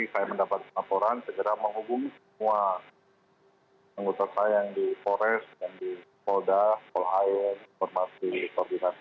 saya mendapatkan laporan segera menghubungi semua anggota saya yang di kores yang di koda kol hayat informasi koordinasi